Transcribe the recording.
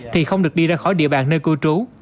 thì không được đi ra khỏi địa bàn nơi cư trú